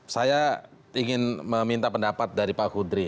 saya ingin meminta pendapat dari pak kudri